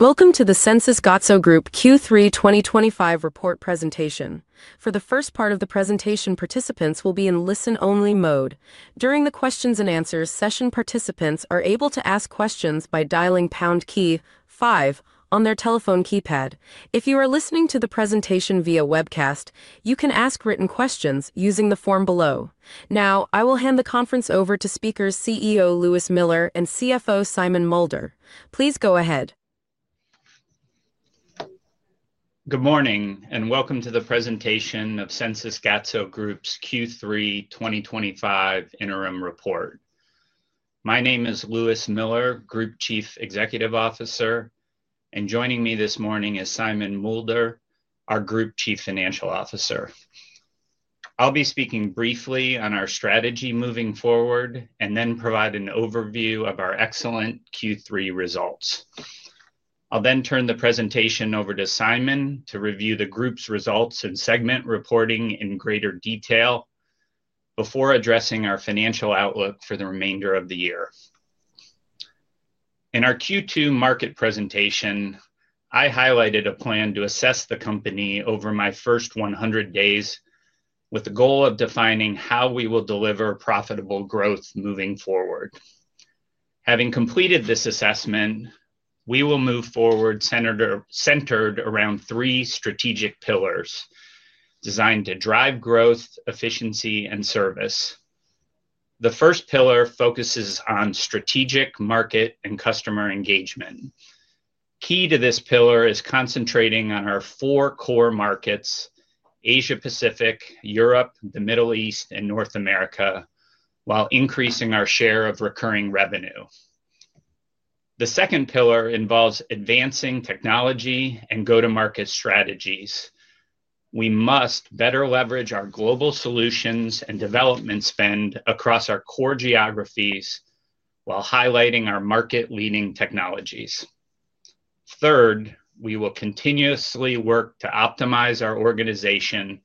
Welcome to the Sensys Gatso Group Q3 2025 report presentation. For the first part of the presentation, participants will be in listen-only mode. During the Q&A, session participants are able to ask questions by dialing #5 on their telephone keypad. If you are listening to the presentation via webcast, you can ask written questions using the form below. Now, I will hand the conference over to CEO Lewis Miller and CFO Simon Mulder. Please go ahead. Good morning, and welcome to the presentation of Sensys Gatso Group's Q3 2025 interim report. My name is Lewis Miller, Group Chief Executive Officer, and joining me this morning is Simon Mulder, our Group Chief Financial Officer. I'll be speaking briefly on our strategy moving forward and then provide an overview of our excellent Q3 results. I'll then turn the presentation over to Simon to review the group's results and segment reporting in greater detail before addressing our financial outlook for the remainder of the year. In our Q2 market presentation, I highlighted a plan to assess the company over my first 100 days with the goal of defining how we will deliver profitable growth moving forward. Having completed this assessment, we will move forward centered around three strategic pillars designed to drive growth, efficiency, and service. The first pillar focuses on strategic market and customer engagement. Key to this pillar is concentrating on our four core markets: Asia-Pacific, Europe, the Middle East, and North America, while increasing our share of recurring revenue. The second pillar involves advancing technology and go-to-market strategies. We must better leverage our global solutions and development spend across our core geographies while highlighting our market-leading technologies. Third, we will continuously work to optimize our organization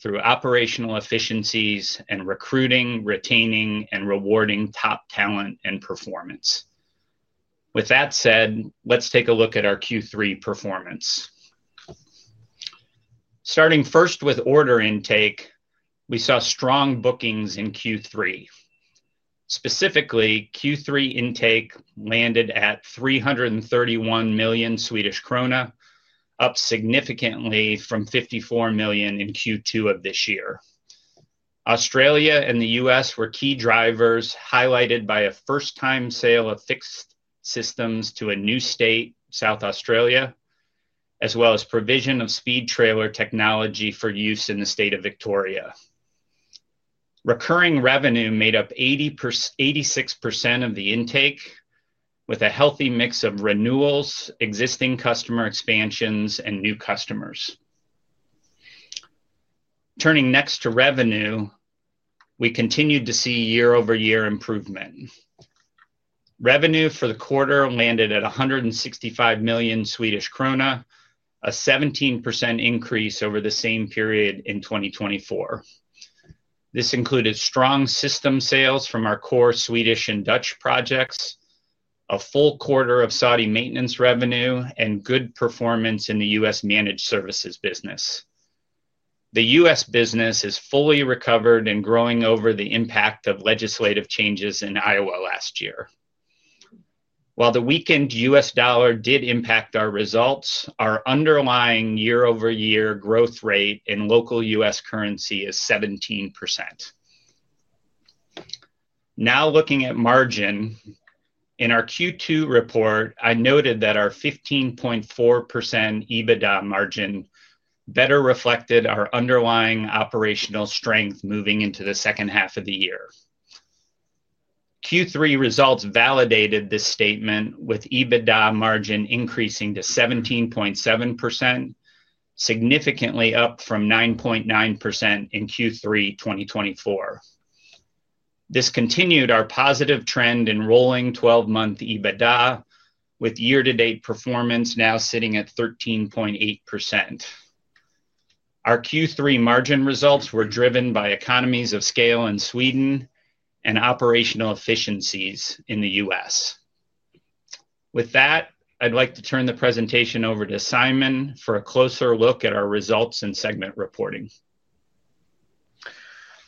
through operational efficiencies and recruiting, retaining, and rewarding top talent and performance. With that said, let's take a look at our Q3 performance. Starting first with order intake, we saw strong bookings in Q3. Specifically, Q3 intake landed at 331 million Swedish krona, up significantly from 54 million in Q2 of this year. Australia and the U.S. were key drivers, highlighted by a first-time sale of fixed systems to a new state, South Australia, as well as provision of speed trailer technology for use in the state of Victoria. Recurring revenue made up 86% of the intake, with a healthy mix of renewals, existing customer expansions, and new customers. Turning next to revenue, we continued to see year-over-year improvement. Revenue for the quarter landed at 165 million Swedish krona, a 17% increase over the same period in 2024. This included strong system sales from our core Swedish and Dutch projects, a full quarter of Saudi maintenance revenue, and good performance in the U.S. managed services business. The U.S. business has fully recovered and is growing over the impact of legislative changes in Iowa last year. While the weakened U.S. dollar did impact our results, our underlying year-over-year growth rate in local U.S. currency is 17%. Now looking at margin, in our Q2 report, I noted that our 15.4% EBITDA margin better reflected our underlying operational strength moving into the second half of the year. Q3 results validated this statement, with EBITDA margin increasing to 17.7%, significantly up from 9.9% in Q3 2024. This continued our positive trend in rolling 12-month EBITDA, with year-to-date performance now sitting at 13.8%. Our Q3 margin results were driven by economies of scale in Sweden and operational efficiencies in the U.S. With that, I'd like to turn the presentation over to Simon for a closer look at our results and segment reporting.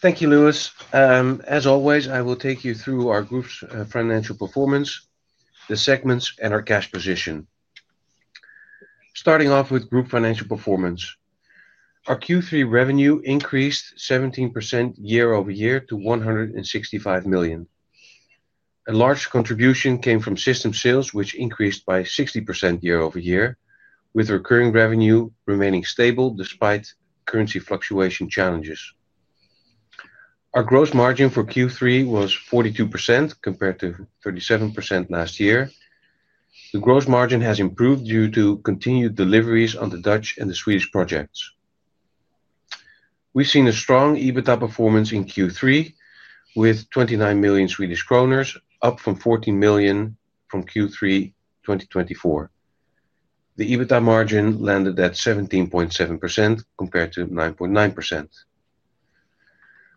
Thank you, Lewis. As always, I will take you through our group's financial performance, the segments, and our cash position. Starting off with group financial performance, our Q3 revenue increased 17% year-over-year to 165 million. A large contribution came from system sales, which increased by 60% year-over-year, with recurring revenue remaining stable despite currency fluctuation challenges. Our gross margin for Q3 was 42% compared to 37% last year. The gross margin has improved due to continued deliveries on the Dutch and the Swedish projects. We've seen a strong EBITDA performance in Q3, with 29 million Swedish kronor, up from 14 million from Q3 2024. The EBITDA margin landed at 17.7% compared to 9.9%.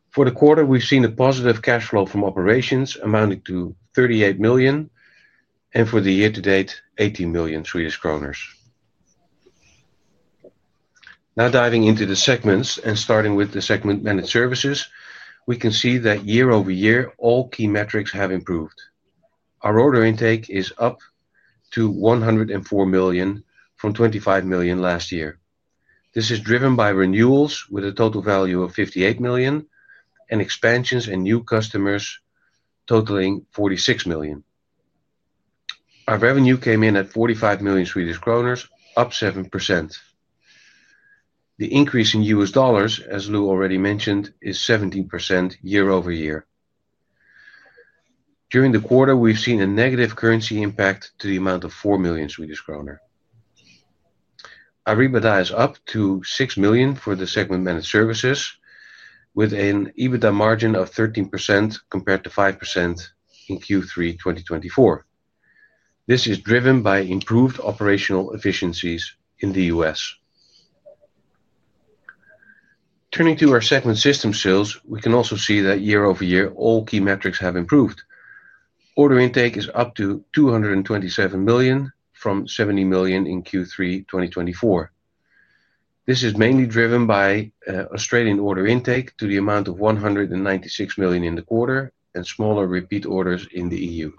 For the quarter, we've seen a positive cash flow from operations amounting to 38 million, and for the year-to-date, 18 million Swedish kronor. Now diving into the segments and starting with the segment managed services, we can see that year-over-year all key metrics have improved. Our order intake is up to 104 million from 25 million last year. This is driven by renewals with a total value of 58 million and expansions and new customers totaling 46 million. Our revenue came in at 45 million Swedish kronor, up 7%. The increase in U.S. dollars, as Lew already mentioned, is 17% year-over-year. During the quarter, we've seen a negative currency impact to the amount of 4 million Swedish kronor. Our EBITDA is up to 6 million for the segment managed services, with an EBITDA margin of 13% compared to 5% in Q3 2024. This is driven by improved operational efficiencies in the U.S. Turning to our segment system sales, we can also see that year-over-year all key metrics have improved. Order intake is up to 227 million from 70 million in Q3 2024. This is mainly driven by Australian order intake to the amount of 196 million in the quarter and smaller repeat orders in the EU.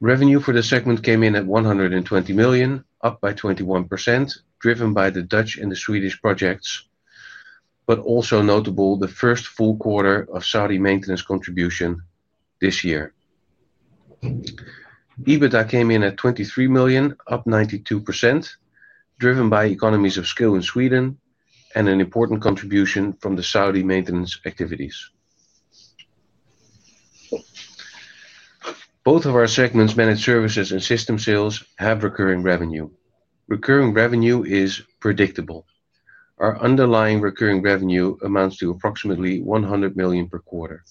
Revenue for the segment came in at 120 million, up by 21%, driven by the Dutch and the Swedish projects, but also notable the first full quarter of Saudi maintenance contribution this year. EBITDA came in at 23 million, up 92%, driven by economies of scale in Sweden and an important contribution from the Saudi maintenance activities. Both of our segments, managed services and system sales, have recurring revenue. Recurring revenue is predictable. Our underlying recurring revenue amounts to approximately 100 million per quarter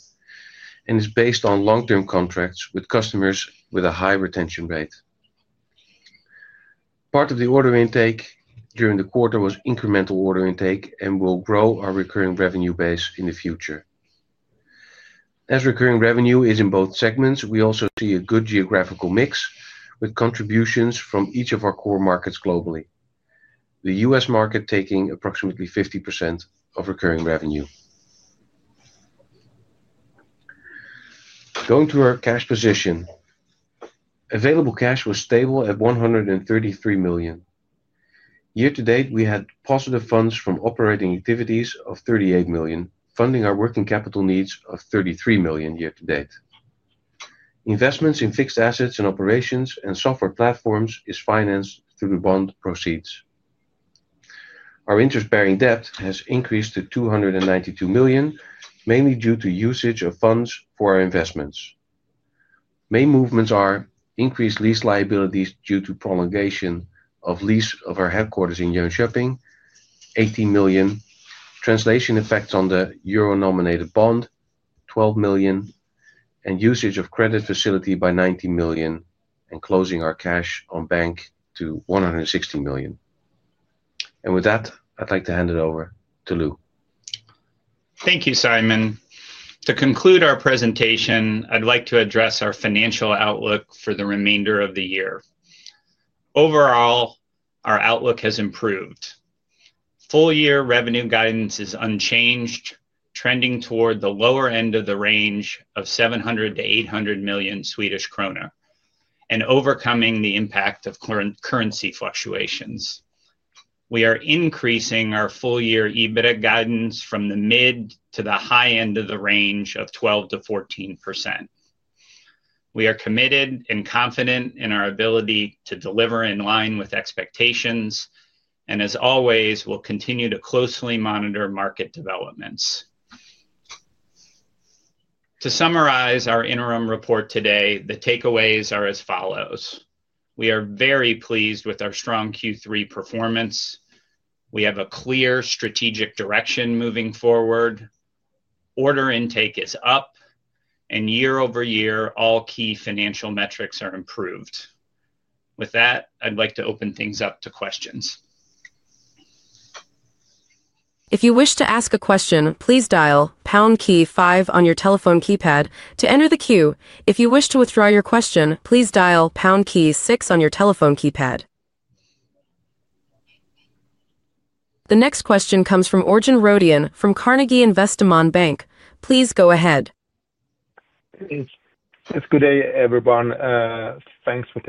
and is based on long-term contracts with customers with a high retention rate. Part of the order intake during the quarter was incremental order intake and will grow our recurring revenue base in the future. As recurring revenue is in both segments, we also see a good geographical mix with contributions from each of our core markets globally, the U.S. market taking approximately 50% of recurring revenue. Going to our cash position, available cash was stable at 133 million. Year-to-date, we had positive funds from operating activities of 38 million, funding our working capital needs of 33 million year-to-date. Investments in fixed assets and operations and software platforms are financed through the bond proceeds. Our interest-bearing debt has increased to 292 million, mainly due to usage of funds for our investments. Main movements are increased lease liabilities due to prolongation of lease of our headquarters in Jönköping, 18 million, translation effects on the euro-nominated bond, 12 million, and usage of credit facility by 19 million, and closing our cash on bank to 160 million. With that, I'd like to hand it over to Lew. Thank you, Simon. To conclude our presentation, I'd like to address our financial outlook for the remainder of the year. Overall, our outlook has improved. Full-year revenue guidance is unchanged, trending toward the lower end of the range of 700 million-800 million Swedish krona and overcoming the impact of currency fluctuations. We are increasing our full-year EBITDA guidance from the mid to the high end of the range of 12%-14%. We are committed and confident in our ability to deliver in line with expectations and, as always, will continue to closely monitor market developments. To summarize our interim report today, the takeaways are as follows. We are very pleased with our strong Q3 performance. We have a clear strategic direction moving forward. Order intake is up, and year-over-year, all key financial metrics are improved. With that, I'd like to open things up to questions. If you wish to ask a question, please dial #5 on your telephone keypad to enter the queue. If you wish to withdraw your question, please dial #6 on your telephone keypad. The next question comes from Örjan Röden from Carnegie Investment Bank. Please go ahead. Good day, everyone. Thanks for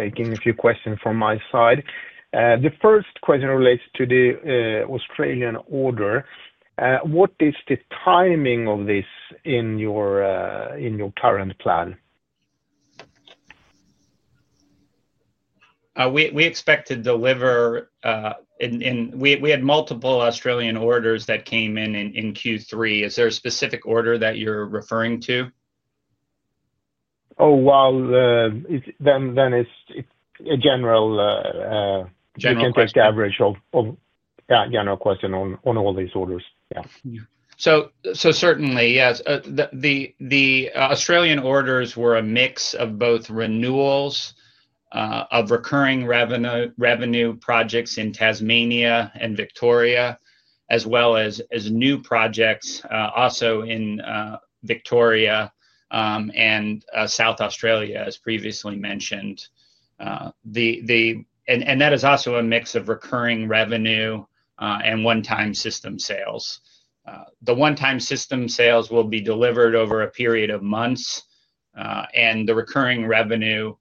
taking a few questions from my side. The first question relates to the Australian order. What is the timing of this in your current plan? We expect to deliver, and we had multiple Australian orders that came in in Q3. Is there a specific order that you're referring to? Oh, well, then it's a general average of general question on all these orders. Yeah. Certainly, yes. The Australian orders were a mix of both renewals of recurring revenue projects in Tasmania and Victoria, as well as new projects also in Victoria and South Australia, as previously mentioned. That is also a mix of recurring revenue and one-time system sales. The one-time system sales will be delivered over a period of months, and the recurring revenue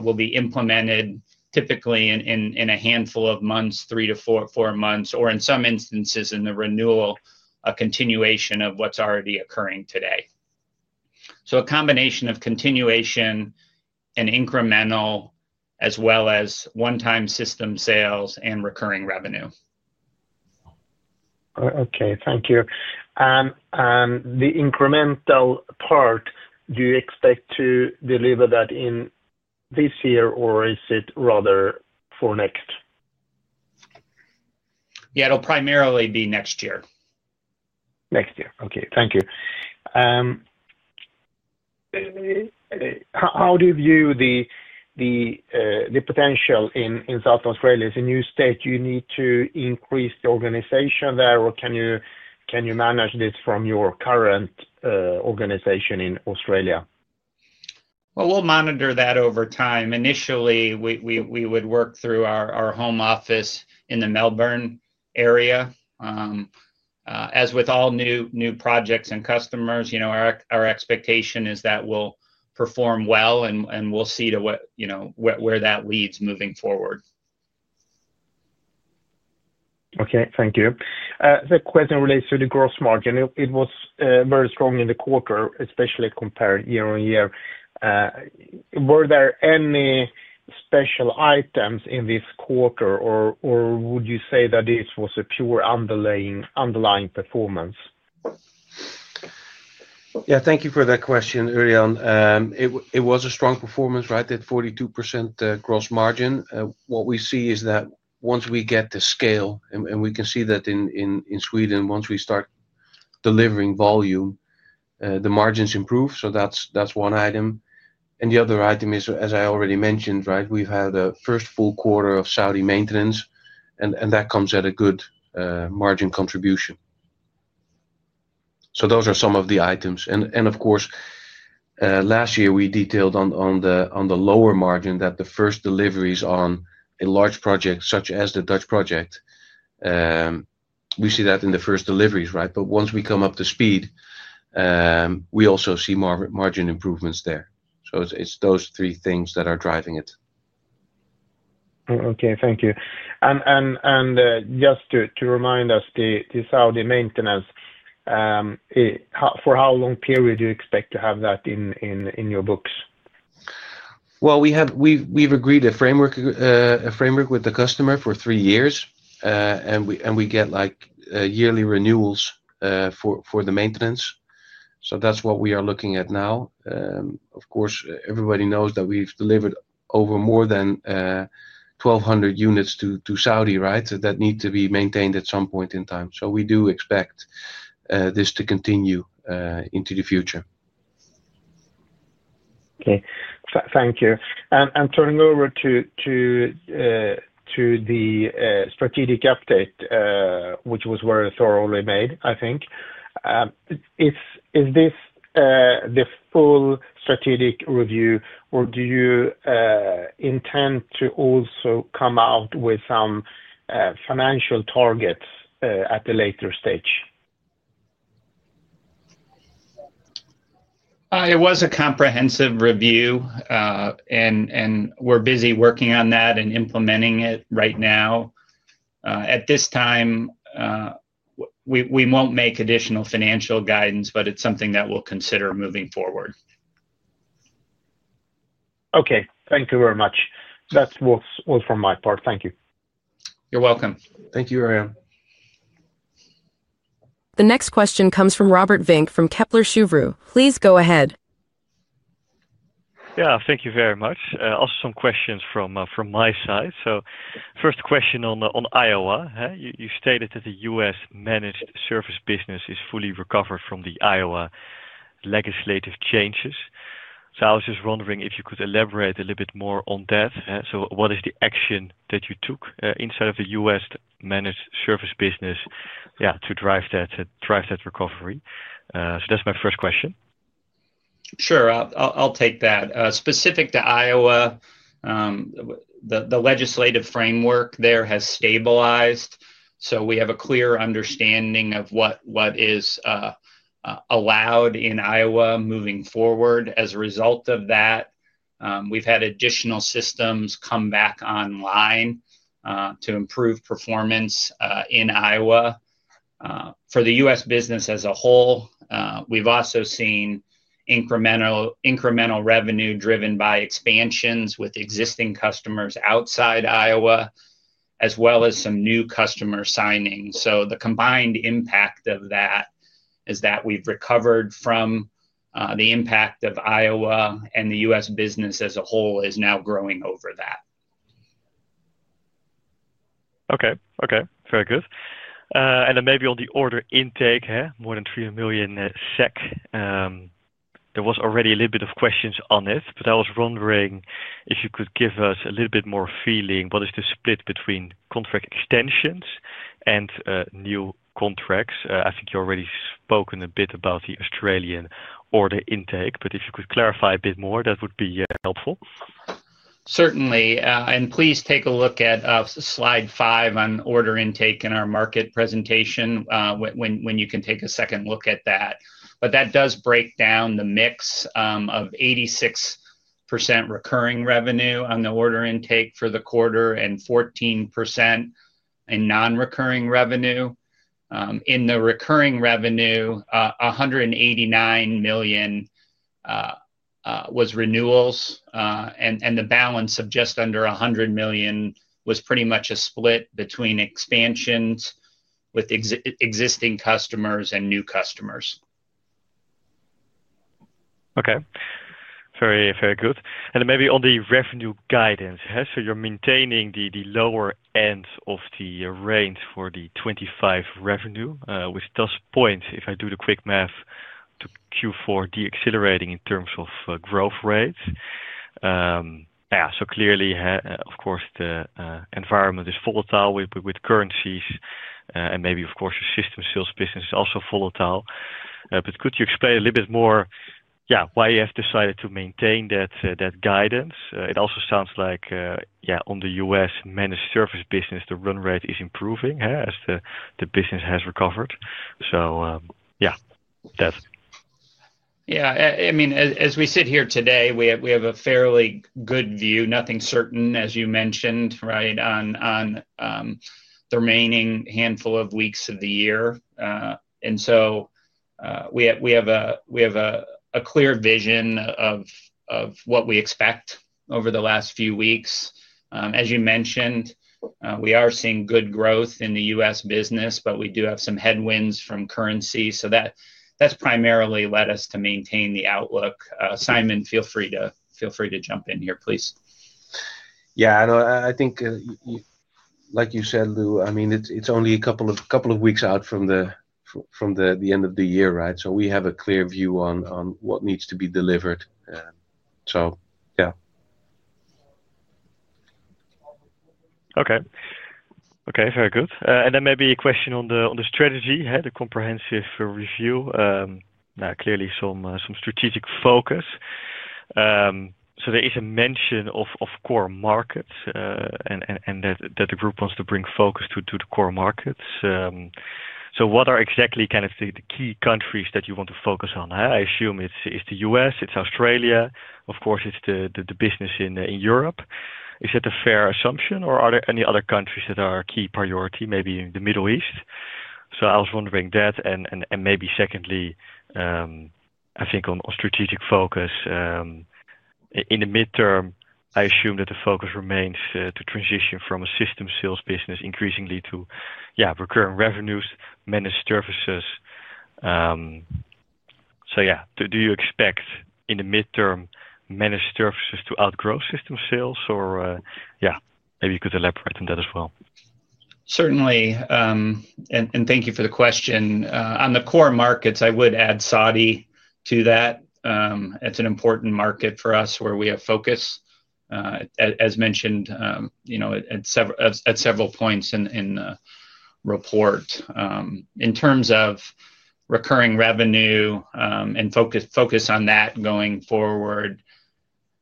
will be implemented typically in a handful of months, three to four months, or in some instances in the renewal, a continuation of what is already occurring today. A combination of continuation and incremental, as well as one-time system sales and recurring revenue. Okay, thank you. The incremental part, do you expect to deliver that in this year, or is it rather for next? Yeah, it'll primarily be next year. Next year. Okay, thank you. How do you view the potential in South Australia? Is it a new state you need to increase the organization there, or can you manage this from your current organization in Australia? We will monitor that over time. Initially, we would work through our home office in the Melbourne area. As with all new projects and customers, our expectation is that we will perform well, and we will see where that leads moving forward. Okay, thank you. The question relates to the gross margin. It was very strong in the quarter, especially compared year-on-year. Were there any special items in this quarter, or would you say that this was a pure underlying performance? Yeah, thank you for that question, Örjan. It was a strong performance, right? That 42% gross margin. What we see is that once we get the scale, and we can see that in Sweden, once we start delivering volume, the margins improve. That is one item. The other item is, as I already mentioned, right? We have had a first full quarter of Saudi maintenance, and that comes at a good margin contribution. Those are some of the items. Of course, last year we detailed on the lower margin that the first deliveries on a large project such as the Dutch project. We see that in the first deliveries, right? Once we come up to speed, we also see margin improvements there. It is those three things that are driving it. Okay, thank you. Just to remind us, the Saudi maintenance, for how long period do you expect to have that in your books? We have agreed a framework with the customer for three years, and we get yearly renewals for the maintenance. That is what we are looking at now. Of course, everybody knows that we have delivered over 1,200 units to Saudi, right? That need to be maintained at some point in time. We do expect this to continue into the future. Okay, thank you. Turning over to the strategic update, which was very thoroughly made, I think. Is this the full strategic review, or do you intend to also come out with some financial targets at a later stage? It was a comprehensive review, and we're busy working on that and implementing it right now. At this time, we won't make additional financial guidance, but it's something that we'll consider moving forward. Okay, thank you very much. That's all from my part. Thank you. You're welcome. Thank you, Örjan. The next question comes from Robert Vink from Kepler Cheuvreux. Please go ahead. Yeah, thank you very much. Also, some questions from my side. First question on Iowa. You stated that the U.S. managed service business is fully recovered from the Iowa legislative changes. I was just wondering if you could elaborate a little bit more on that. What is the action that you took inside of the U.S. managed service business to drive that recovery? That is my first question. Sure, I'll take that. Specific to Iowa, the legislative framework there has stabilized. We have a clear understanding of what is allowed in Iowa moving forward. As a result of that, we've had additional systems come back online to improve performance in Iowa. For the U.S. business as a whole, we've also seen incremental revenue driven by expansions with existing customers outside Iowa, as well as some new customer signings. The combined impact of that is that we've recovered from the impact of Iowa, and the U.S. business as a whole is now growing over that. Okay, okay. Very good. Maybe on the order intake, more than 3 million SEK. There was already a little bit of questions on it, but I was wondering if you could give us a little bit more feeling. What is the split between contract extensions and new contracts? I think you already spoke a bit about the Australian order intake, but if you could clarify a bit more, that would be helpful. Certainly. Please take a look at slide five on order intake in our market presentation when you can take a second look at that. That does break down the mix of 86% recurring revenue on the order intake for the quarter and 14% in non-recurring revenue. In the recurring revenue, 189 million was renewals, and the balance of just under 100 million was pretty much a split between expansions with existing customers and new customers. Okay, very good. Maybe on the revenue guidance, you are maintaining the lower end of the range for the 2025 revenue, which does point, if I do the quick math, to Q4 de-accelerating in terms of growth rates. Clearly, of course, the environment is volatile with currencies, and maybe, of course, the system sales business is also volatile. Could you explain a little bit more why you have decided to maintain that guidance? It also sounds like on the U.S. managed service business, the run rate is improving as the business has recovered. That. Yeah, I mean, as we sit here today, we have a fairly good view. Nothing certain, as you mentioned, right, on the remaining handful of weeks of the year. We have a clear vision of what we expect over the last few weeks. As you mentioned, we are seeing good growth in the U.S. business, but we do have some headwinds from currency. That has primarily led us to maintain the outlook. Simon, feel free to jump in here, please. Yeah, I think, like you said, Lew, I mean, it's only a couple of weeks out from the end of the year, right? We have a clear view on what needs to be delivered. Yeah. Okay. Okay, very good. Maybe a question on the strategy, the comprehensive review. Now, clearly, some strategic focus. There is a mention of core markets and that the group wants to bring focus to the core markets. What are exactly kind of the key countries that you want to focus on? I assume it's the U.S. It's Australia. Of course, it's the business in Europe. Is that a fair assumption, or are there any other countries that are a key priority, maybe in the Middle East? I was wondering that. Maybe secondly, I think on strategic focus, in the midterm, I assume that the focus remains to transition from a system sales business increasingly to, yeah, recurring revenues, managed services. Do you expect in the midterm managed services to outgrow system sales? Maybe you could elaborate on that as well. Certainly. Thank you for the question. On the core markets, I would add Saudi to that. It is an important market for us where we have focus, as mentioned at several points in the report. In terms of recurring revenue and focus on that going forward,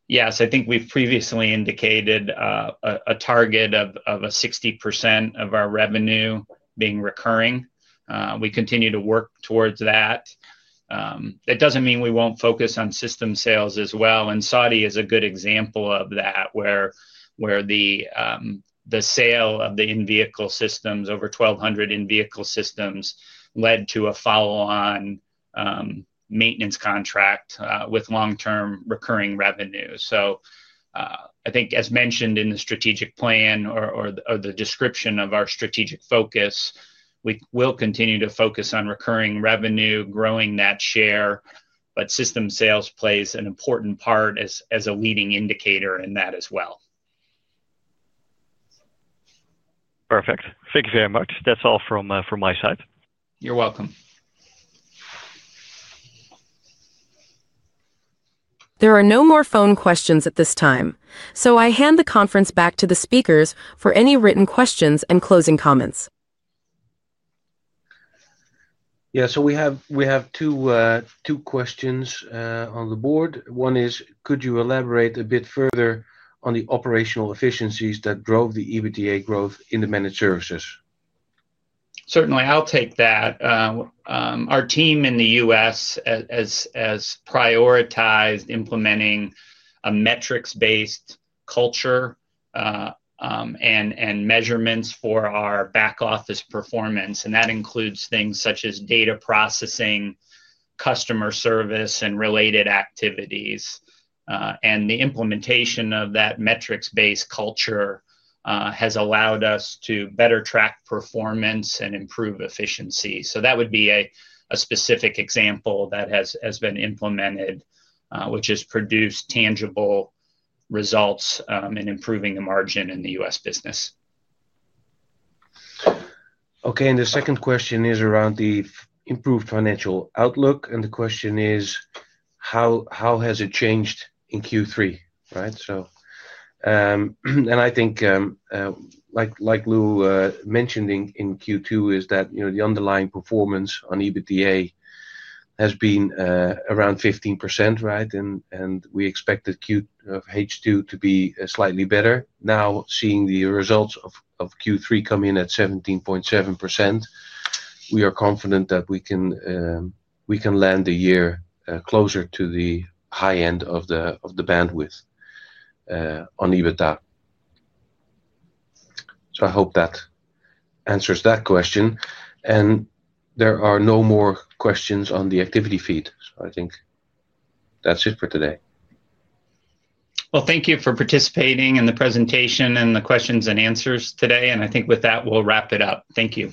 yes, I think we have previously indicated a target of 60% of our revenue being recurring. We continue to work towards that. That does not mean we will not focus on system sales as well. Saudi is a good example of that, where the sale of the in-vehicle systems, over 1,200 in-vehicle systems, led to a follow-on maintenance contract with long-term recurring revenue. I think, as mentioned in the strategic plan or the description of our strategic focus, we will continue to focus on recurring revenue, growing that share, but system sales plays an important part as a leading indicator in that as well. Perfect. Thank you very much. That's all from my side. You're welcome. There are no more phone questions at this time. I hand the conference back to the speakers for any written questions and closing comments. Yeah, we have two questions on the board. One is, could you elaborate a bit further on the operational efficiencies that drove the EBITDA growth in the managed services? Certainly, I'll take that. Our team in the U.S. has prioritized implementing a metrics-based culture and measurements for our back office performance. That includes things such as data processing, customer service, and related activities. The implementation of that metrics-based culture has allowed us to better track performance and improve efficiency. That would be a specific example that has been implemented, which has produced tangible results in improving the margin in the U.S. business. Okay, the second question is around the improved financial outlook. The question is, how has it changed in Q3, right? I think, like Lew mentioned in Q2, the underlying performance on EBITDA has been around 15%, right? We expected Q2 to be slightly better. Now, seeing the results of Q3 come in at 17.7%, we are confident that we can land the year closer to the high end of the bandwidth on EBITDA. I hope that answers that question. There are no more questions on the activity feed. I think that's it for today. Thank you for participating in the presentation and the questions and answers today. I think with that, we'll wrap it up. Thank you.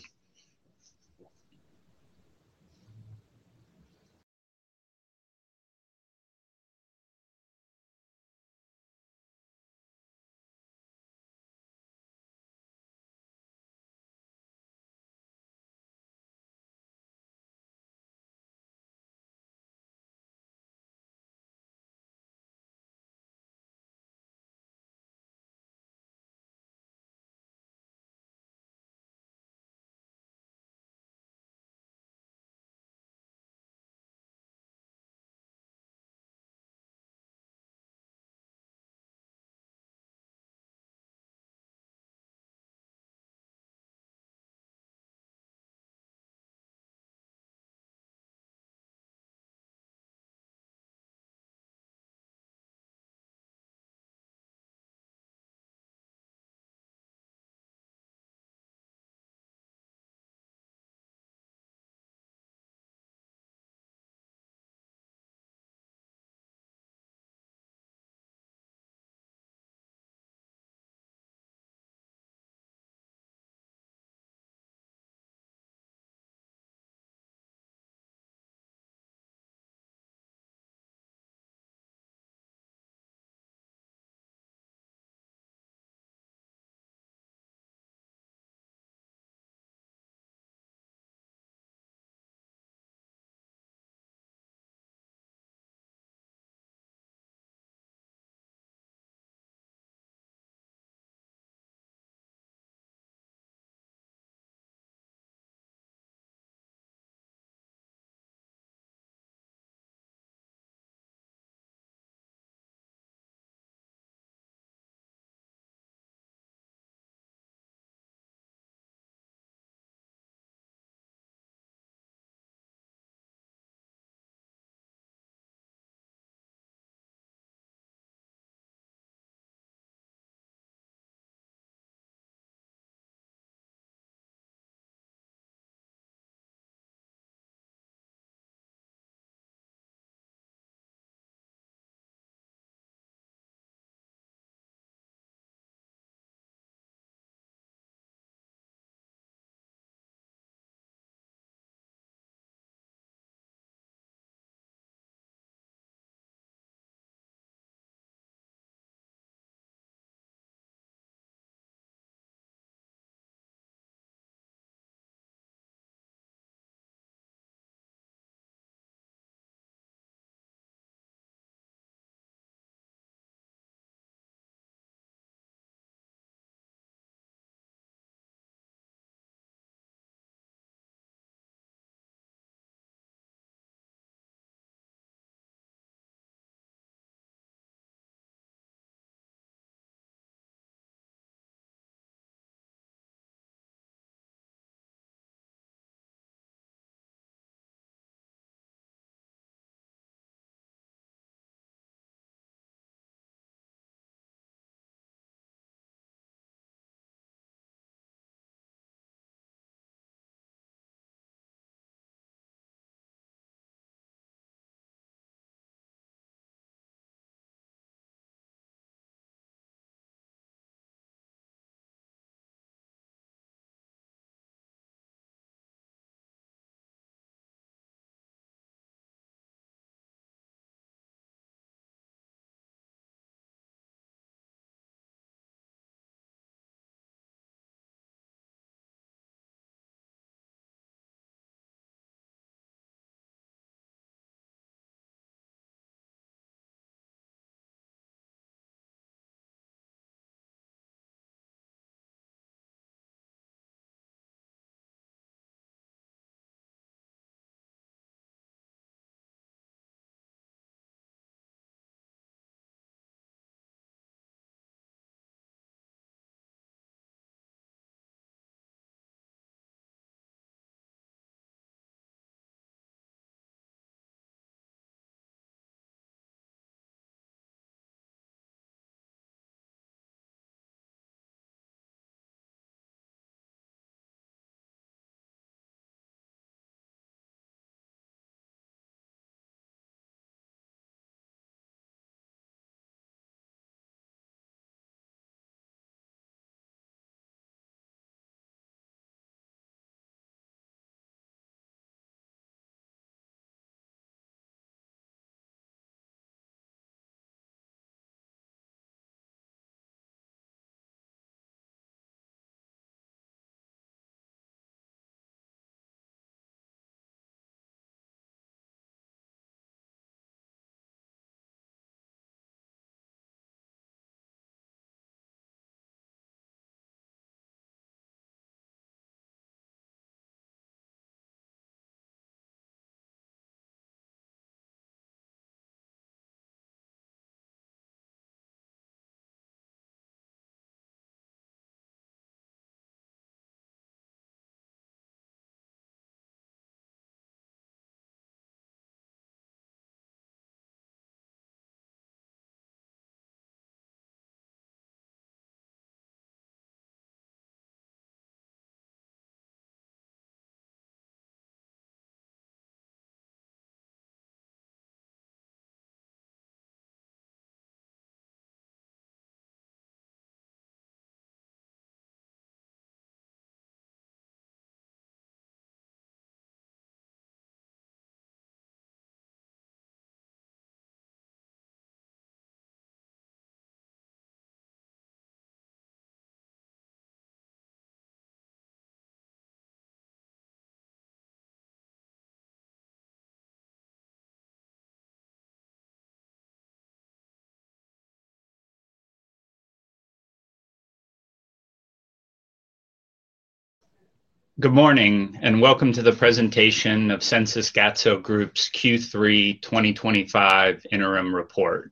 Good morning and welcome to the presentation of Sensys Gatso Group's Q3 2025 interim report.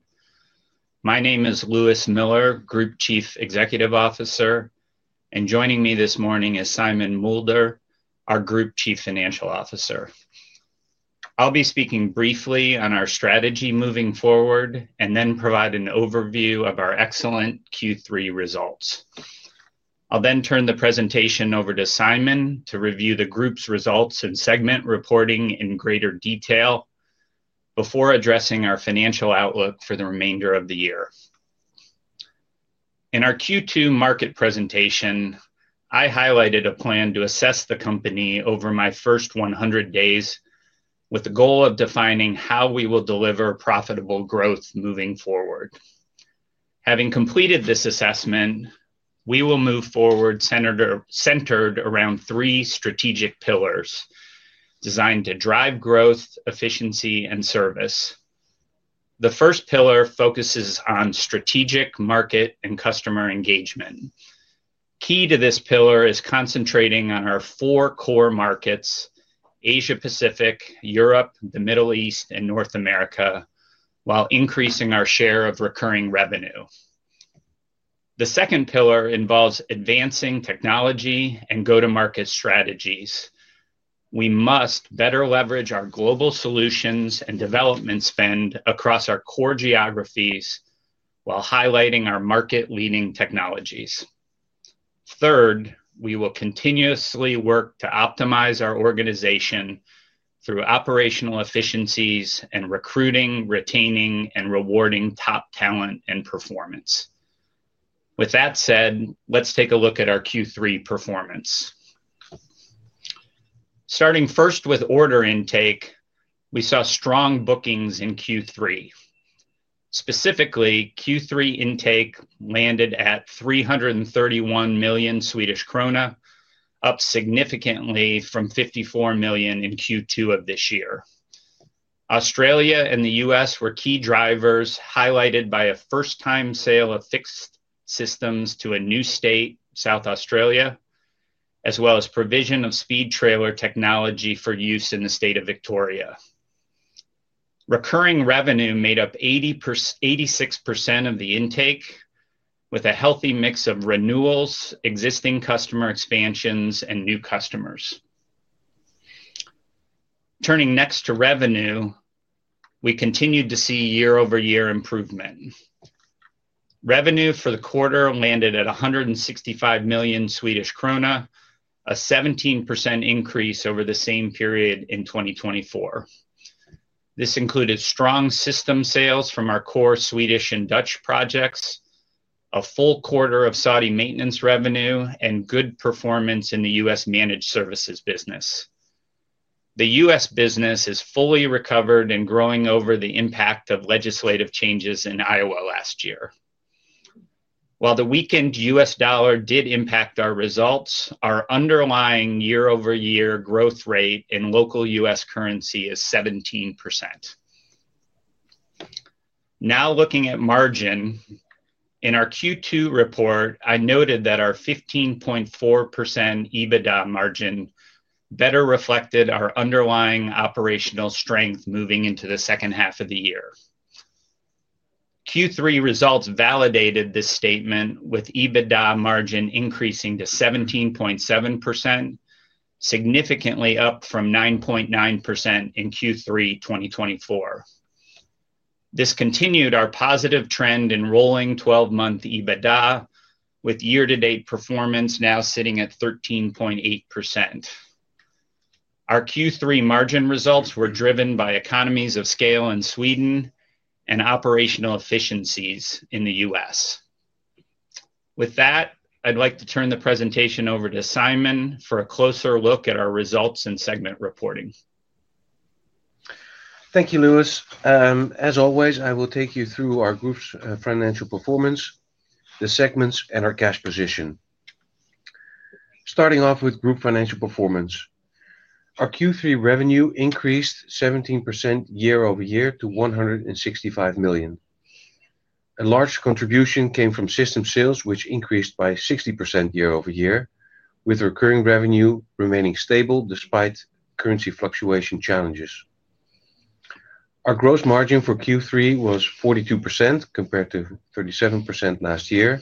My name is Lewis Miller, Group Chief Executive Officer, and joining me this morning is Simon Mulder, our Group Chief Financial Officer. I'll be speaking briefly on our strategy moving forward and then provide an overview of our excellent Q3 results. I'll then turn the presentation over to Simon to review the group's results and segment reporting in greater detail before addressing our financial outlook for the remainder of the year. In our Q2 market presentation, I highlighted a plan to assess the company over my first 100 days with the goal of defining how we will deliver profitable growth moving forward. Having completed this assessment, we will move forward centered around three strategic pillars designed to drive growth, efficiency, and service. The first pillar focuses on strategic market and customer engagement. Key to this pillar is concentrating on our four core markets: Asia-Pacific, Europe, the Middle East, and North America, while increasing our share of recurring revenue. The second pillar involves advancing technology and go-to-market strategies. We must better leverage our global solutions and development spend across our core geographies while highlighting our market-leading technologies. Third, we will continuously work to optimize our organization through operational efficiencies and recruiting, retaining, and rewarding top talent and performance. With that said, let's take a look at our Q3 performance. Starting first with order intake, we saw strong bookings in Q3. Specifically, Q3 intake landed at 331 million Swedish krona, up significantly from 54 million in Q2 of this year. Australia and the U.S. were key drivers, highlighted by a first-time sale of fixed systems to a new state, South Australia, as well as provision of speed trailer technology for use in the state of Victoria. Recurring revenue made up 86% of the intake, with a healthy mix of renewals, existing customer expansions, and new customers. Turning next to revenue, we continued to see year-over-year improvement. Revenue for the quarter landed at 165 million Swedish krona, a 17% increase over the same period in 2024. This included strong system sales from our core Swedish and Dutch projects, a full quarter of Saudi maintenance revenue, and good performance in the U.S. managed services business. The U.S. business has fully recovered and is growing over the impact of legislative changes in Iowa last year. While the weakened U.S. dollar did impact our results, our underlying year-over-year growth rate in local U.S. Currency is 17%. Now looking at margin, in our Q2 report, I noted that our 15.4% EBITDA margin better reflected our underlying operational strength moving into the second half of the year. Q3 results validated this statement, with EBITDA margin increasing to 17.7%, significantly up from 9.9% in Q3 2024. This continued our positive trend in rolling 12-month EBITDA, with year-to-date performance now sitting at 13.8%. Our Q3 margin results were driven by economies of scale in Sweden and operational efficiencies in the U.S. With that, I'd like to turn the presentation over to Simon for a closer look at our results and segment reporting. Thank you, Lewis. As always, I will take you through our group's financial performance, the segments, and our cash position. Starting off with group financial performance, our Q3 revenue increased 17% year-over-year to 165 million. A large contribution came from system sales, which increased by 60% year-over-year, with recurring revenue remaining stable despite currency fluctuation challenges. Our gross margin for Q3 was 42% compared to 37% last year.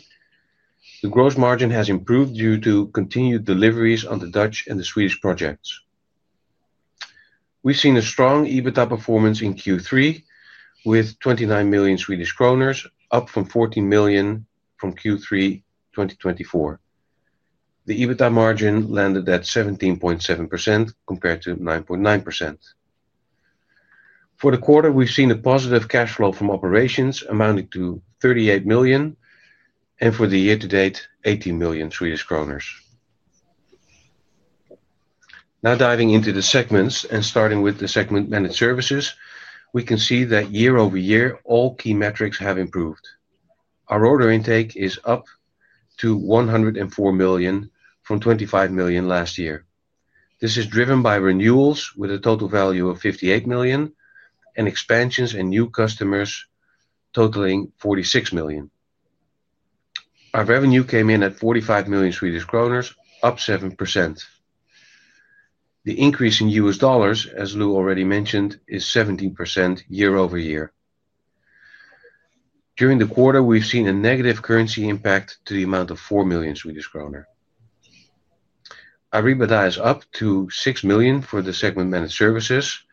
The gross margin has improved due to continued deliveries on the Dutch and the Swedish projects. We've seen a strong EBITDA performance in Q3, with 29 million Swedish kronor, up from 14 million from Q3 2024. The EBITDA margin landed at 17.7% compared to 9.9%. For the quarter, we've seen a positive cash flow from operations amounting to 38 million, and for the year-to-date, 18 million Swedish kronor. Now diving into the segments and starting with the segment managed services, we can see that year-over-year, all key metrics have improved. Our order intake is up to 104 million from 25 million last year. This is driven by renewals with a total value of 58 million and expansions and new customers totaling 46 million. Our revenue came in at 45 million Swedish kronor, up 7%. The increase in U.S. dollars, as Lew already mentioned, is 17% year-over-year. During the quarter, we've seen a negative currency impact to the amount of 4 million Swedish kronor. Our EBITDA is up to 6 million for the segment managed services,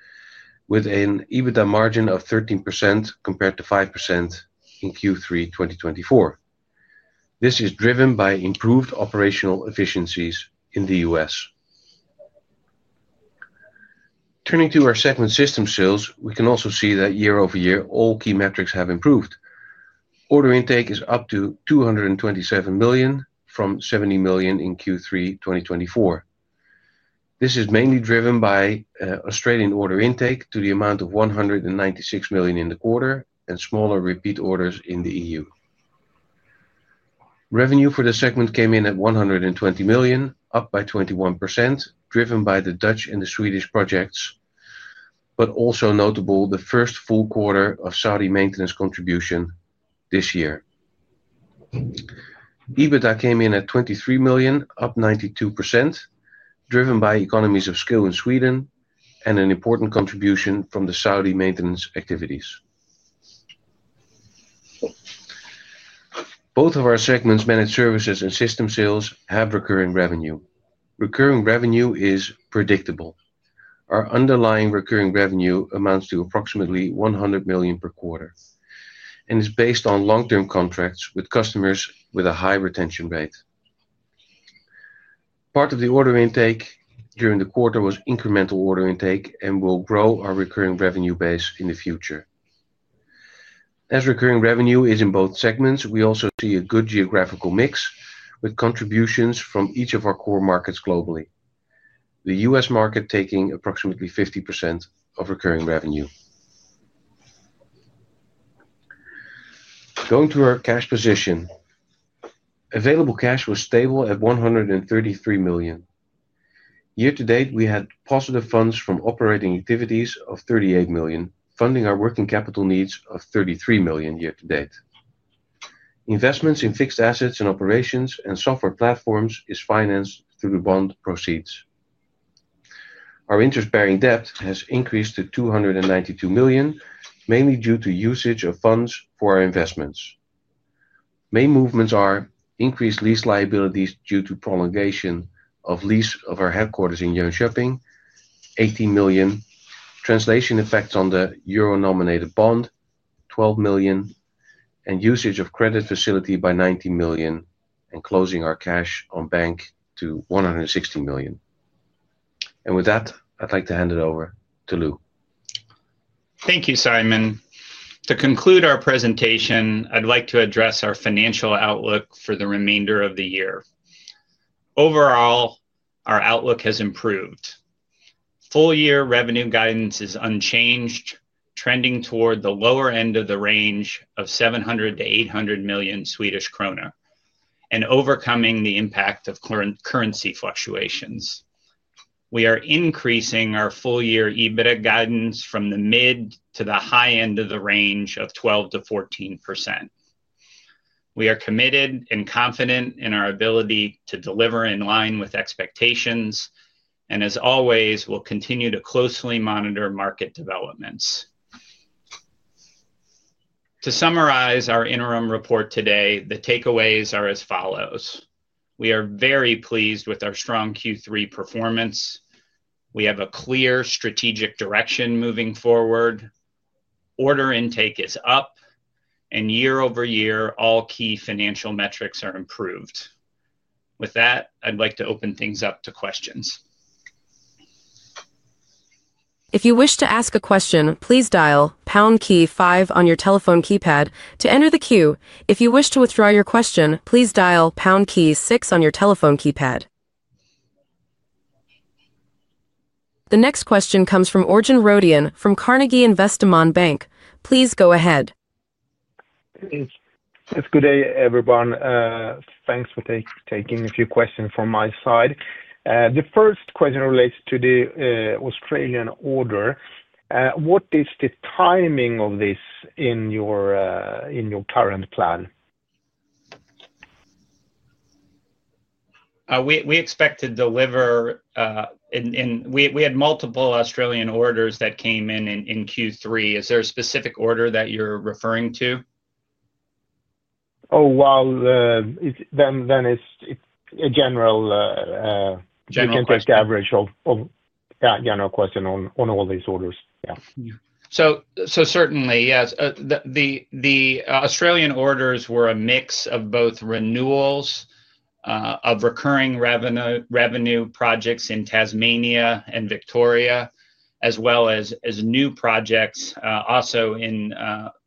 with an EBITDA margin of 13% compared to 5% in Q3 2024. This is driven by improved operational efficiencies in the U.S. Turning to our segment system sales, we can also see that year-over-year, all key metrics have improved. Order intake is up to 227 million from 70 million in Q3 2024. This is mainly driven by Australian order intake to the amount of 196 million in the quarter and smaller repeat orders in the EU. Revenue for the segment came in at 120 million, up by 21%, driven by the Dutch and the Swedish projects, but also notable the first full quarter of Saudi maintenance contribution this year. EBITDA came in at 23 million, up 92%, driven by economies of scale in Sweden and an important contribution from the Saudi maintenance activities. Both of our segments, managed services and system sales, have recurring revenue. Recurring revenue is predictable. Our underlying recurring revenue amounts to approximately 100 million per quarter and is based on long-term contracts with customers with a high retention rate. Part of the order intake during the quarter was incremental order intake and will grow our recurring revenue base in the future. As recurring revenue is in both segments, we also see a good geographical mix with contributions from each of our core markets globally, the U.S. market taking approximately 50% of recurring revenue. Going to our cash position, available cash was stable at 133 million. Year-to-date, we had positive funds from operating activities of 38 million, funding our working capital needs of 33 million year-to-date. Investments in fixed assets and operations and software platforms are financed through the bond proceeds. Our interest-bearing debt has increased to 292 million, mainly due to usage of funds for our investments. Main movements are increased lease liabilities due to prolongation of lease of our headquarters in Jönköping, 18 million, translation effects on the euro-nominated bond, 12 million, and usage of credit facility by 19 million, and closing our cash on bank to 160 million. With that, I'd like to hand it over to Lew. Thank you, Simon. To conclude our presentation, I'd like to address our financial outlook for the remainder of the year. Overall, our outlook has improved. Full-year revenue guidance is unchanged, trending toward the lower end of the range of 700 million-800 million Swedish krona and overcoming the impact of currency fluctuations. We are increasing our full-year EBITDA guidance from the mid to the high end of the range of 12%-14%. We are committed and confident in our ability to deliver in line with expectations and, as always, will continue to closely monitor market developments. To summarize our interim report today, the takeaways are as follows. We are very pleased with our strong Q3 performance. We have a clear strategic direction moving forward. Order intake is up, and year-over-year, all key financial metrics are improved. With that, I'd like to open things up to questions. If you wish to ask a question, please dial #KEY5 on your telephone keypad to enter the queue. If you wish to withdraw your question, please dial #KEY6 on your telephone keypad. The next question comes from Örjan Röden from Carnegie Investment Bank. Please go ahead. Good day, everyone. Thanks for taking a few questions from my side. The first question relates to the Australian order. What is the timing of this in your current plan? We expect to deliver, and we had multiple Australian orders that came in in Q3. Is there a specific order that you're referring to? Oh, then it's a general average of general question on all these orders. Yeah. Certainly, yes. The Australian orders were a mix of both renewals of recurring revenue projects in Tasmania and Victoria, as well as new projects also in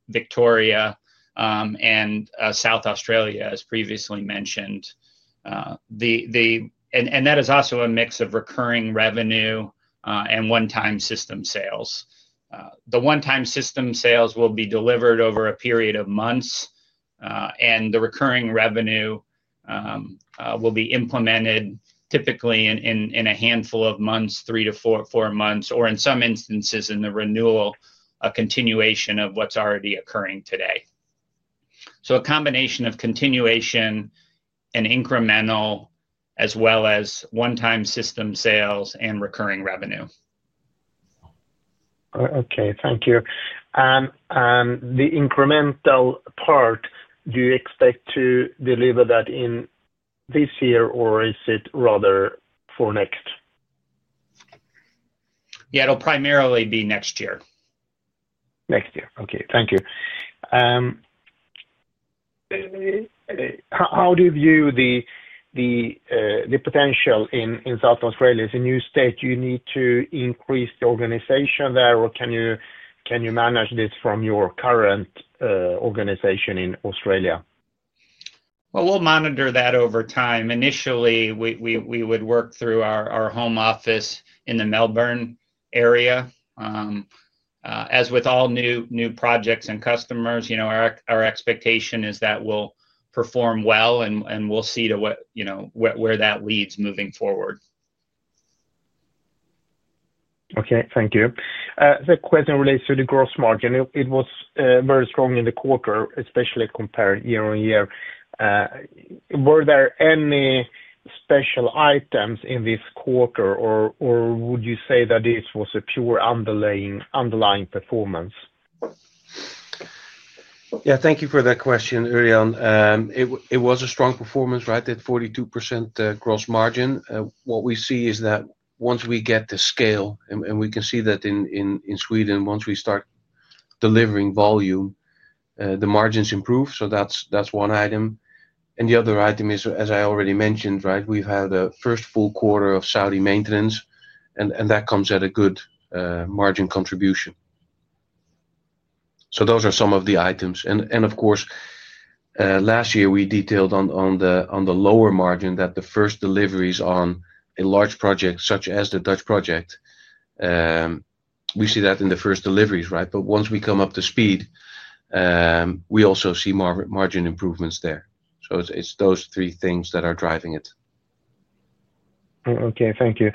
Victoria and South Australia, as previously mentioned. That is also a mix of recurring revenue and one-time system sales. The one-time system sales will be delivered over a period of months, and the recurring revenue will be implemented typically in a handful of months, three to four months, or in some instances in the renewal, a continuation of what's already occurring today. A combination of continuation and incremental, as well as one-time system sales and recurring revenue. Okay, thank you. The incremental part, do you expect to deliver that in this year, or is it rather for next? Yeah, it'll primarily be next year. Next year. Okay, thank you. How do you view the potential in South Australia? Is it a new state you need to increase the organization there, or can you manage this from your current organization in Australia? We will monitor that over time. Initially, we would work through our home office in the Melbourne area. As with all new projects and customers, our expectation is that we will perform well, and we will see where that leads moving forward. Okay, thank you. The question relates to the gross margin. It was very strong in the quarter, especially compared year-on-year. Were there any special items in this quarter, or would you say that this was a pure underlying performance? Yeah, thank you for that question, Örjan. It was a strong performance, right? That 42% gross margin. What we see is that once we get the scale, and we can see that in Sweden, once we start delivering volume, the margins improve. That is one item. The other item is, as I already mentioned, right? We have had a first full quarter of Saudi maintenance, and that comes at a good margin contribution. Those are some of the items. Of course, last year, we detailed on the lower margin that the first deliveries on a large project, such as the Dutch project. We see that in the first deliveries, right? Once we come up to speed, we also see margin improvements there. It is those three things that are driving it. Okay, thank you.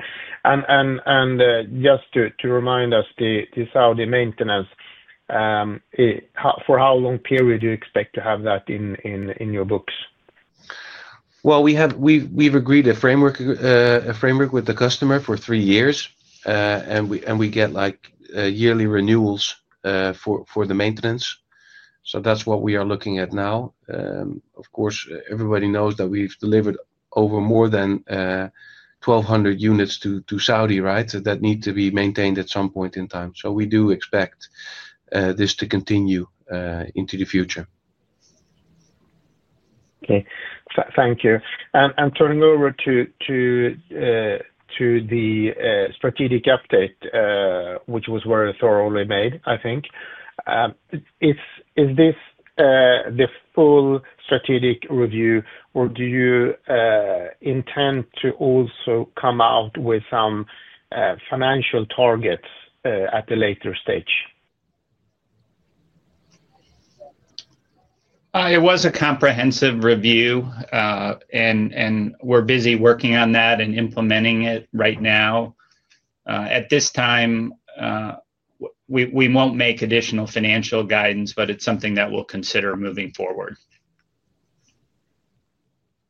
Just to remind us, the Saudi maintenance, for how long period do you expect to have that in your books? We have agreed a framework with the customer for three years, and we get yearly renewals for the maintenance. That is what we are looking at now. Of course, everybody knows that we have delivered over 1,200 units to Saudi, right? That need to be maintained at some point in time. We do expect this to continue into the future. Okay, thank you. Turning over to the strategic update, which was very thoroughly made, I think. Is this the full strategic review, or do you intend to also come out with some financial targets at a later stage? It was a comprehensive review, and we're busy working on that and implementing it right now. At this time, we won't make additional financial guidance, but it's something that we'll consider moving forward.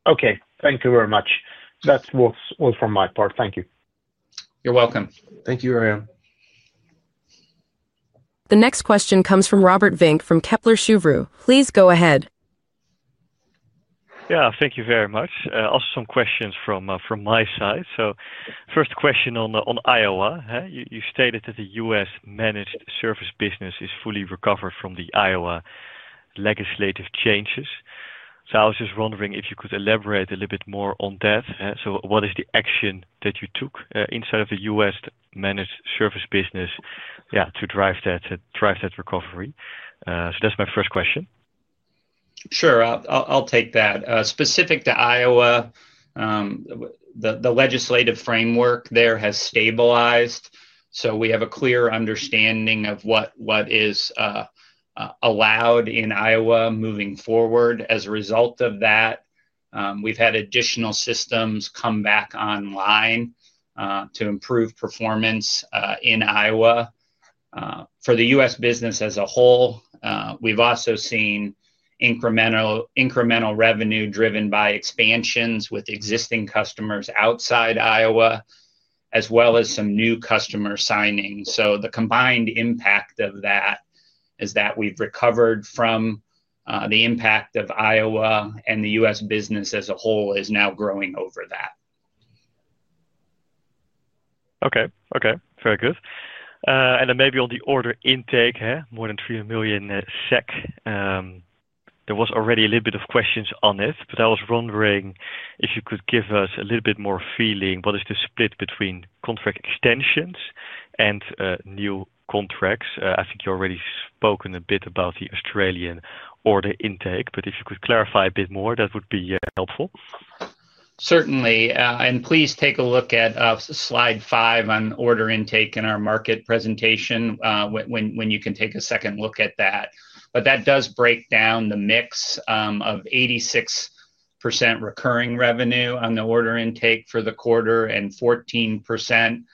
Okay, thank you very much. That's all from my part. Thank you. You're welcome. Thank you, Örjan. The next question comes from Robert Vink from Kepler Cheuvreux. Please go ahead. Yeah, thank you very much. Also, some questions from my side. First question on Iowa. You stated that the U.S. managed service business is fully recovered from the Iowa legislative changes. I was just wondering if you could elaborate a little bit more on that. What is the action that you took inside of the U.S. managed service business, yeah, to drive that recovery? That is my first question. Sure, I'll take that. Specific to Iowa, the legislative framework there has stabilized. We have a clear understanding of what is allowed in Iowa moving forward. As a result of that, we've had additional systems come back online to improve performance in Iowa. For the U.S. business as a whole, we've also seen incremental revenue driven by expansions with existing customers outside Iowa, as well as some new customer signing. The combined impact of that is that we've recovered from the impact of Iowa, and the U.S. business as a whole is now growing over that. Okay, okay, very good. Maybe on the order intake, more than 3 million SEK. There was already a little bit of questions on it, but I was wondering if you could give us a little bit more feeling. What is the split between contract extensions and new contracts? I think you already spoke a bit about the Australian order intake, but if you could clarify a bit more, that would be helpful. Certainly. Please take a look at slide five on order intake in our market presentation when you can take a second look at that. That does break down the mix of 86% recurring revenue on the order intake for the quarter and 14%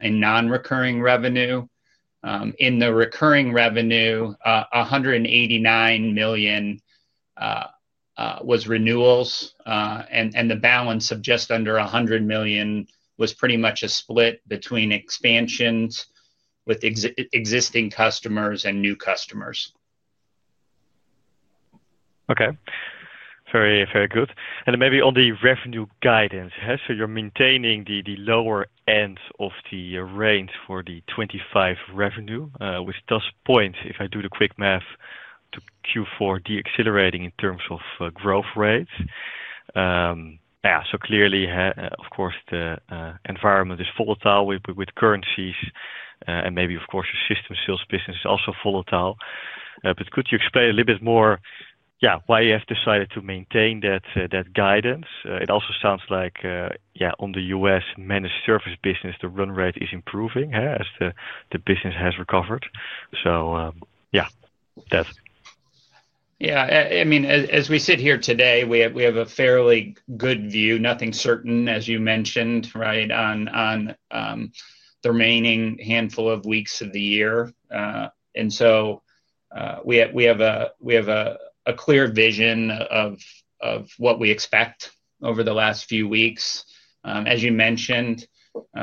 in non-recurring revenue. In the recurring revenue, 189 million was renewals, and the balance of just under 100 million was pretty much a split between expansions with existing customers and new customers. Okay, very good. Maybe on the revenue guidance, you are maintaining the lower end of the range for the 2025 revenue, which does point, if I do the quick math, to Q4 decelerating in terms of growth rates. Clearly, of course, the environment is volatile with currencies, and maybe, of course, the system sales business is also volatile. Could you explain a little bit more why you have decided to maintain that guidance? It also sounds like on the U.S. managed service business, the run rate is improving as the business has recovered. That. Yeah, I mean, as we sit here today, we have a fairly good view. Nothing certain, as you mentioned, right, on the remaining handful of weeks of the year. We have a clear vision of what we expect over the last few weeks. As you mentioned,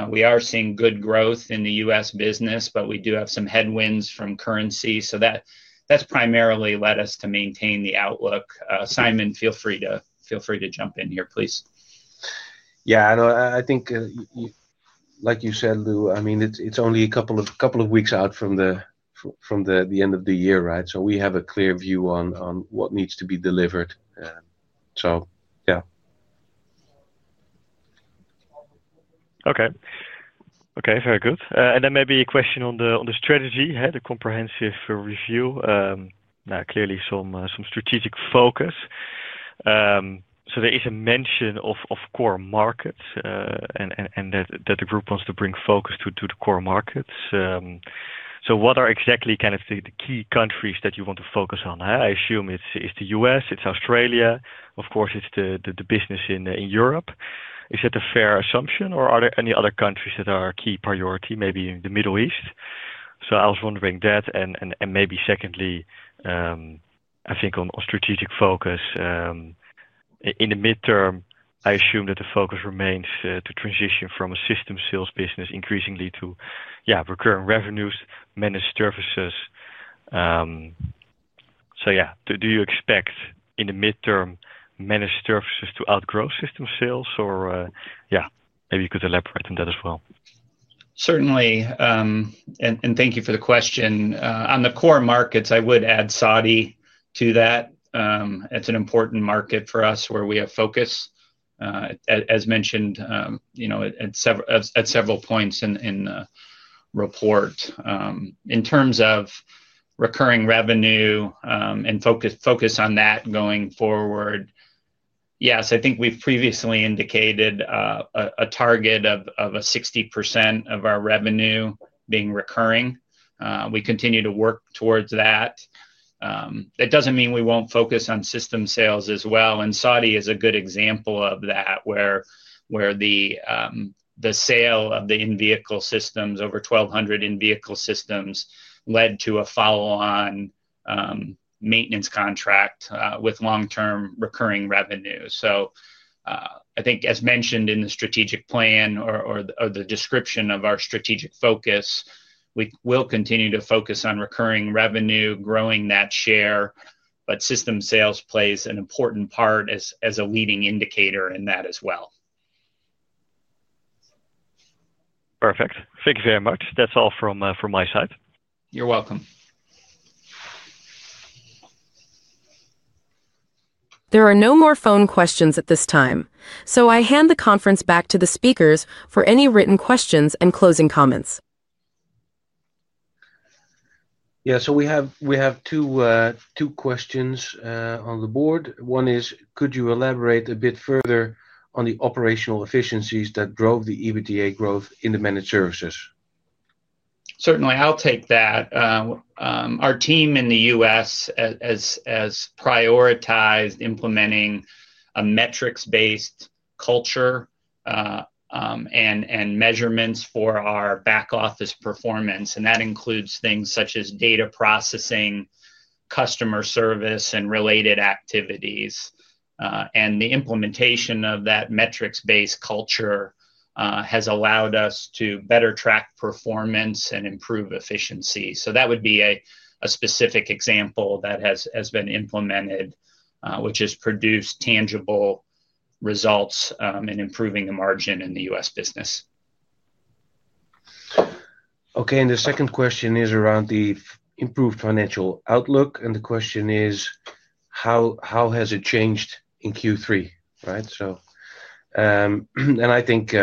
we are seeing good growth in the U.S. business, but we do have some headwinds from currency. That has primarily led us to maintain the outlook. Simon, feel free to jump in here, please. Yeah, I think, like you said, Lew, I mean, it's only a couple of weeks out from the end of the year, right? So we have a clear view on what needs to be delivered. So yeah. Okay, okay, very good. Maybe a question on the strategy, the comprehensive review. Now, clearly, some strategic focus. There is a mention of core markets and that the group wants to bring focus to the core markets. What are exactly kind of the key countries that you want to focus on? I assume it's the U.S. It's Australia. Of course, it's the business in Europe. Is that a fair assumption, or are there any other countries that are a key priority, maybe in the Middle East? I was wondering that. Maybe secondly, I think on strategic focus. In the midterm, I assume that the focus remains to transition from a system sales business increasingly to, yeah, recurring revenues, managed services. Yeah, do you expect in the midterm managed services to outgrow system sales? Or yeah, maybe you could elaborate on that as well. Certainly. Thank you for the question. On the core markets, I would add Saudi to that. It is an important market for us where we have focus, as mentioned at several points in the report. In terms of recurring revenue and focus on that going forward, yes, I think we have previously indicated a target of 60% of our revenue being recurring. We continue to work towards that. That does not mean we will not focus on system sales as well. Saudi is a good example of that, where the sale of the in-vehicle systems, over 1,200 in-vehicle systems, led to a follow-on maintenance contract with long-term recurring revenue. I think, as mentioned in the strategic plan or the description of our strategic focus, we will continue to focus on recurring revenue, growing that share, but system sales plays an important part as a leading indicator in that as well. Perfect. Thank you very much. That's all from my side. You're welcome. There are no more phone questions at this time. I hand the conference back to the speakers for any written questions and closing comments. Yeah, so we have two questions on the board. One is, could you elaborate a bit further on the operational efficiencies that drove the EBITDA growth in the managed services? Certainly, I'll take that. Our team in the U.S. has prioritized implementing a metrics-based culture and measurements for our back office performance. That includes things such as data processing, customer service, and related activities. The implementation of that metrics-based culture has allowed us to better track performance and improve efficiency. That would be a specific example that has been implemented, which has produced tangible results in improving the margin in the U.S. business. Okay, and the second question is around the improved financial outlook. The question is, how has it changed in Q3, right? I think,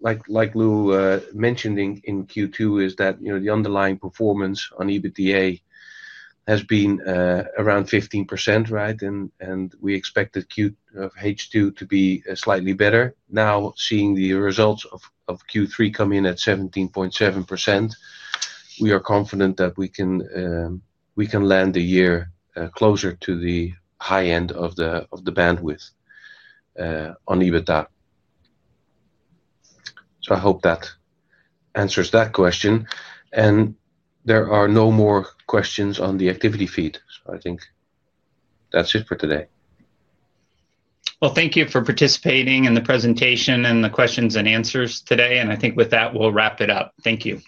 like Lew mentioned in Q2, the underlying performance on EBITDA has been around 15%, right? We expected H2 to be slightly better. Now, seeing the results of Q3 come in at 17.7%, we are confident that we can land the year closer to the high end of the bandwidth on EBITDA. I hope that answers that question. There are no more questions on the activity feed. I think that's it for today. Thank you for participating in the presentation and the questions and answers today. I think with that, we'll wrap it up. Thank you.